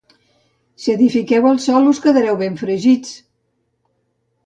Si edifiqueu al sol, us quedareu ben fregits!